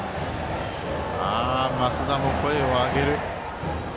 増田も声を上げる。